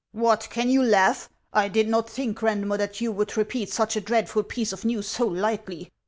" What ! can you laugh ? I did not think, Randmer, that you would repeat such a dreadful piece of news so lightly.